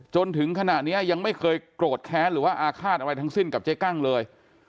จนถึงขณะนี้ยังไม่เคยโกรธแค้นหรือว่าอาฆาตอะไรทั้งสิ้นกับเจ๊กั้งเลย